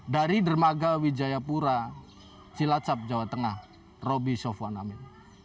dari dermaga wijayapura cilacap jawa tengah roby sofwan amin